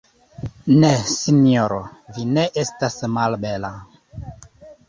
Ne, sinjoro, vi ne estas malbela.